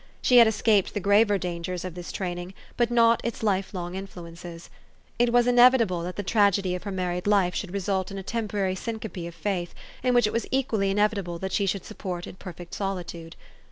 She had escaped the graver dangers of this training, but not its life long influences. It was inevitable that the tragedy of her married life should result in a temporary syncope of faith, which it was equally inevitable that she should support in perfect solitude.